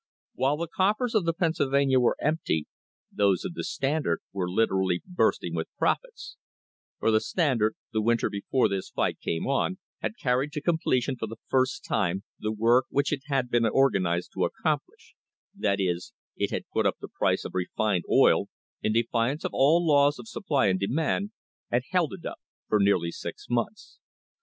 While the coffers of the Pennsylvania were empty, those of the Standard were literally bursting with profits; for the Standard, the winter before this fight came on, had carried to completion for the first time the work which it had been organised to accomplish, that is, it had put up the price of refined oil, in defiance of all laws of supply and demand, and held it up for nearly six months.